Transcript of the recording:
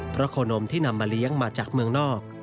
เพราะโคนมที่นำมาเลี้ยงมาจากเมืองนอก